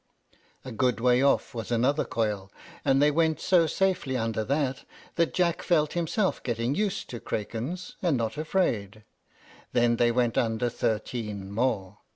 A good way off was another coil, and they went so safely under that, that Jack felt himself getting used to Crakens, and not afraid. Then they went under thirteen more.